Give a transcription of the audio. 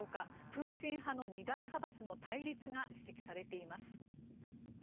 プーチン派の２大派閥の対立が指摘されています。